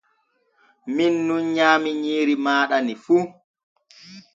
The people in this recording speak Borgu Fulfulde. Min nun nyaami nyiiri maaɗa ni fu.